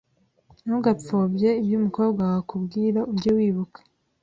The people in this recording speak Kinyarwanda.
Ntugapfobye ibyo umukobwa wawe akubwira Ujye wibuka